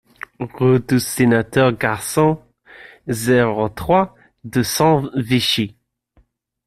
Rue du Sénateur Gacon, zéro trois, deux cents Vichy